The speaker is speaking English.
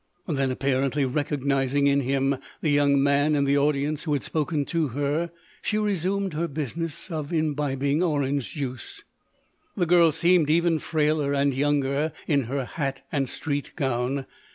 Then, apparently recognising in him the young man in the audience who had spoken to her, she resumed her business of imbibing orange juice. The girl seemed even frailer and younger in her hat and street gown.